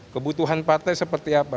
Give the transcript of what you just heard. kebutuhan partai seperti apa